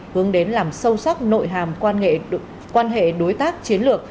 hướng đến làm sâu sắc nội hàm quan hệ đối tác chiến lược